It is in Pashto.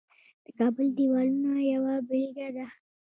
د کابل دیوالونه یوه بیلګه ده